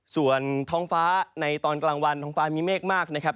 ส่วนท้องฟ้าในตอนกลางวันท้องฟ้ามีเมฆมากนะครับ